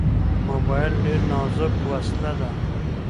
موبایل ډېر نازک وسیله ده.